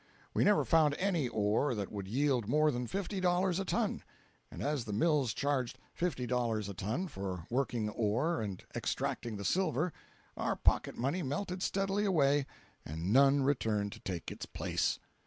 We never found any ore that would yield more than fifty dollars a ton; and as the mills charged fifty dollars a ton for working ore and extracting the silver, our pocket money melted steadily away and none returned to take its place.